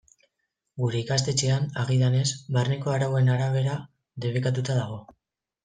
Gure ikastetxean, agidanez, barneko arauen arabera debekatuta dago.